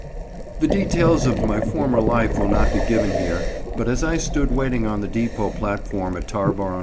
_ The details of my former life will not be given here, but as I stood waiting on the depot platform at Tarboro, N.